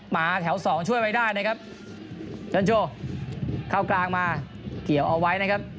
หมาแถวสองช่วยไว้ได้นะครับจันโจเข้ากลางมาเกี่ยวเอาไว้นะครับ